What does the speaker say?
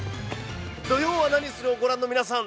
「土曜はナニする！？」をご覧の皆さん。